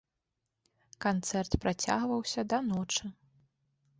Канцэрт працягваўся да ночы.